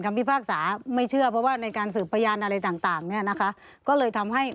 ไม่ได้อ่านครับครับ